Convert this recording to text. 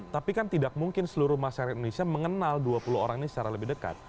tapi kan tidak mungkin seluruh masyarakat indonesia mengenal dua puluh orang ini secara lebih dekat